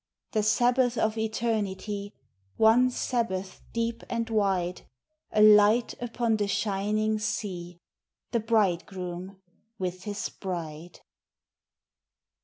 The sabbath of Eternity, One sabbath deep and wide — A light upon the shining sea — The Bridegroom with his bride!